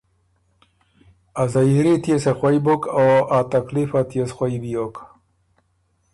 ا ”زيیري تيې سو خوئ بُک او ا تکلیف ات يې سو خوئ بیوک“